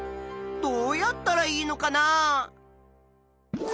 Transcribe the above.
どうやったらいいのかなあ？